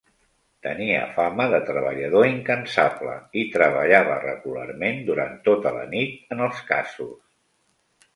Tenia fama de treballador incansable, i treballava regularment durant tota la nit en els casos.